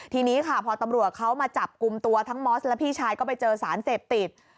ทีนี้ค่ะพอตำรวจเขามาจับกลุ่มตัวทั้งมอสและพี่ชายก็ไปเจอสารเสพติด